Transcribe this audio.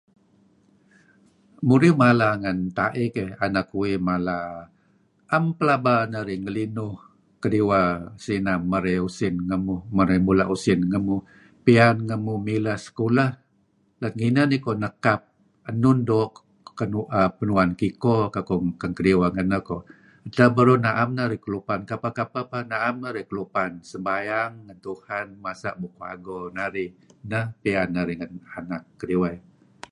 Murih uih mala ngen ta'ih keyh, anak uih mala... 'em pelaba narih ngelinuh kediweh sinam merey usin ngemuh, merey mula' usin ngemuh. Pian ngemuuh mileh sekulah. Let ngineh niko nekap enun doo' kenu'[aah] kenuan Kiko kekuh, ken kediweh ngeneh ko'. Edteh beruh, na'em narih kelupann, kapeh=kapeh peh na'em narih kelupan sembayang ngen Tuhan, masa' bukuh ago narih. 'Neh pinian narih negan anak kediwei.